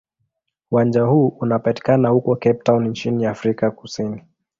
Uwanja huu unapatikana huko Cape Town nchini Afrika Kusini.